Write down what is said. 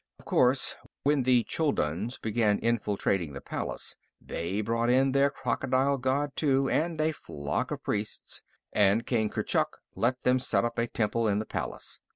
"Of course, when the Chulduns began infiltrating the palace, they brought in their crocodile god, too, and a flock of priests, and King Kurchuk let them set up a temple in the palace.